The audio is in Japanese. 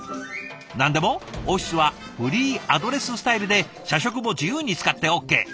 何でもオフィスはフリーアドレススタイルで社食も自由に使ってＯＫ。